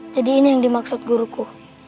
jadi ini yang dimaksud guruku